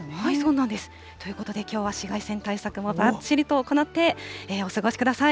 ということで、きょうは紫外線対策をばっちりと行ってお過ごしください。